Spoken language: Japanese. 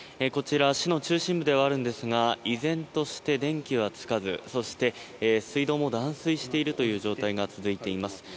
こちら市の中心部ではあるんですが依然として、電気はつかずそして、水道も断水している状態が続いています。